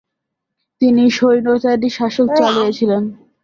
তিনি স্বৈরাচারী শাসন চালিয়েছিলেন।